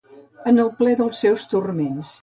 En el ple dels meus turments.